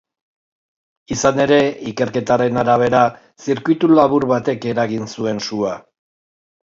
Izan ere, ikerketaren arabera, zirkuitulabur batek eragin zuen sua.